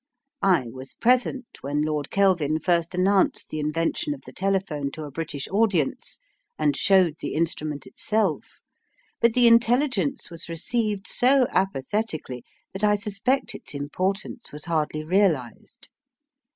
I was present when Lord Kelvin first announced the invention of the telephone to a British audience, and showed the instrument itself, but the intelligence was received so apathetically that I suspect its importance was hardly realised.